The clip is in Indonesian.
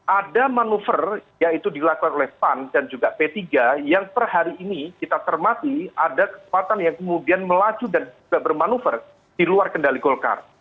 ada manuver yaitu dilakukan oleh pan dan juga p tiga yang per hari ini kita cermati ada kekuatan yang kemudian melaju dan juga bermanuver di luar kendali golkar